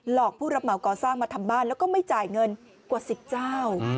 อกผู้รับเหมาก่อสร้างมาทำบ้านแล้วก็ไม่จ่ายเงินกว่า๑๐เจ้า